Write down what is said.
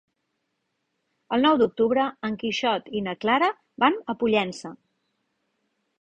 El nou d'octubre en Quixot i na Clara van a Pollença.